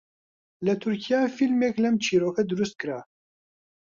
لە تورکیا فیلمێک لەم چیرۆکە دروست کرا